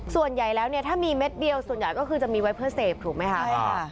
ส่วนใหญ่แล้วเนี่ยถ้ามีเม็ดเดียวส่วนใหญ่ก็คือจะมีไว้เพื่อเสพถูกไหมคะ